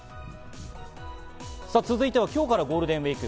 続いては今日からゴールデンウイーク。